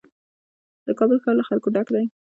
د کابل ښار له خلکو ډک دی.